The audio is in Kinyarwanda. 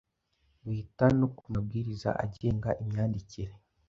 wita no ku mabwiriza agenga imyandikire.